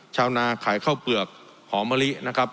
ชาวนาขายข้าวเปลือกหอมมะลินะครับ